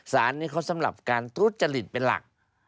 สารนี้เขาสำหรับการทุจริตเป็นหลัก